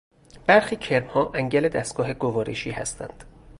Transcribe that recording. برخی کرمها انگل دستگاه گوارشی هستند.